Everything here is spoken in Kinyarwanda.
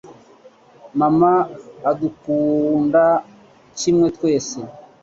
Mama adukunda kimwe twese